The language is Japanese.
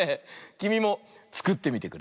きみもつくってみてくれ！